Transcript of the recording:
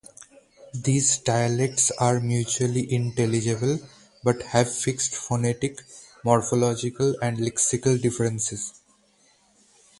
These dialects are mutually intelligible, but have fixed phonetic, morphological and lexical differences.